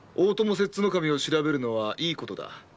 摂津守を調べるのはいいことだ。